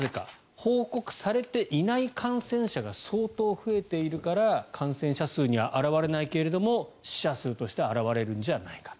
報告されていない感染者が相当増えているから感染者数には表れないけれども死者数として表れるんじゃないか。